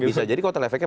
bisa jadi kuotal efeknya